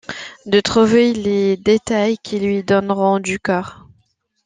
De trouver les détails qui lui donneront du corps.